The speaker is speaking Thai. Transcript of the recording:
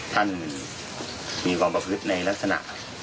ท่านมีความประพฤติในลักษณะ